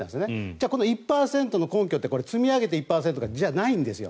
じゃあこの１％の根拠って積み上げて１％じゃないんです。